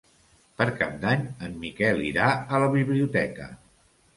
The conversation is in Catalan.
Per Cap d'Any en Miquel irà a la biblioteca.